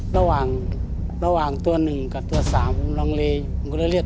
ระหว่างตัว๑กับตัว๓ผมลองเรียก